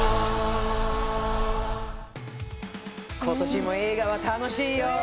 今年も映画は楽しいよ！